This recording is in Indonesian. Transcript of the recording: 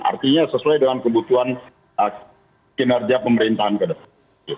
artinya sesuai dengan kebutuhan kinerja pemerintahan ke depan